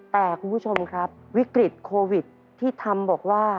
แต่คุณผู้ชมครับวิกฤตโควิดที่ทำบอกว่า